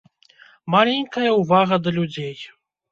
Маленькая ўвага да людзей.